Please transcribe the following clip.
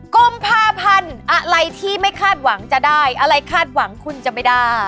กุมภาพันธ์อะไรที่ไม่คาดหวังจะได้อะไรคาดหวังคุณจะไม่ได้